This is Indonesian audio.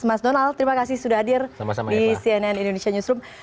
mas donald terima kasih sudah hadir di cnn indonesia newsroom